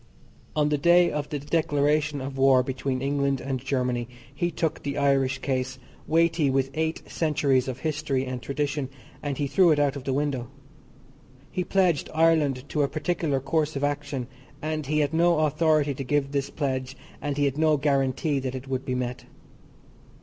On the day of the declaration of war between England and Germany he took the Irish case, weighty with eight centuries of history and tradition, and he threw it out of the window. He pledged Ireland to a particular course of action, and he had no authority to give this pledge and he had no guarantee that it would be met.